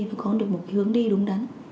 và có được một cái hướng đi đúng đắn